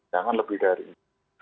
jangan lebih dari itu